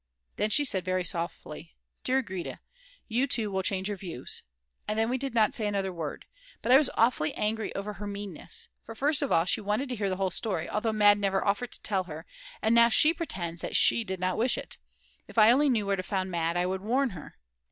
Then she said very softly: "Dear Grete, you too will change your views," and then we did not say another word. But I was awfully angry over her meanness; for first of all she wanted to hear the whole story, although Mad. never offered to tell her, and now she pretends that she did not wish it. If I only knew where to find Mad. I would warn her.